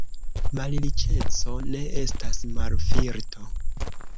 Malriĉeco ne estas malvirto.